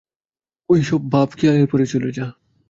ঐ সব ভাব-খেয়ালের পারে চলে যা।